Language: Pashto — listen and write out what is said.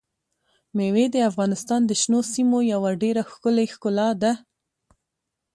مېوې د افغانستان د شنو سیمو یوه ډېره ښکلې ښکلا ده.